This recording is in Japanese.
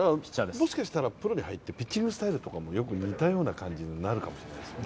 もしかしたら、プロには言ってピッチングスタイルとかも似たようなタイプになるかもしれませんね。